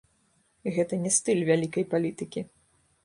Гэта не стыль вялікай палітыкі.